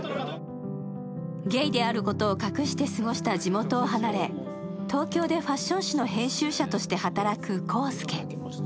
ゲイであることを隠して過ごした地元を離れ東京でファッション誌の編集者として働く浩輔。